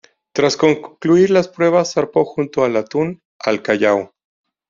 Tras concluir las pruebas, zarpó junto al "Atún" al Callao.